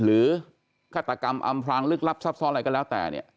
ฆาตกรรมอำพลางลึกลับซับซ้อนอะไรก็แล้วแต่เนี่ย